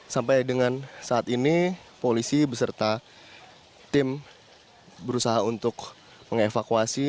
sampai dengan saat ini polisi beserta tim berusaha untuk mengevakuasi